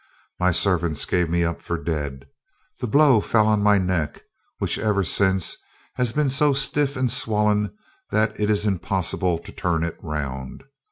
My servants gave me up for dead. The blow fell on my neck, which ever since has been so stiff and swollen that it is impossible to turn it round.